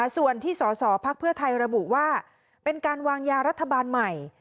ส่วนที่สสพักเพื่อไทยระบุว่าเป็นการวางยารัฐบาลใหม่